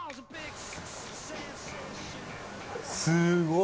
すごい！